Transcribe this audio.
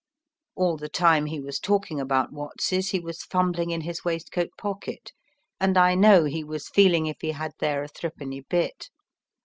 All the time he was talking about Watts's he was fumbling in his waistcoat pocket, and I know he was feeling if he had there a threepenny bit.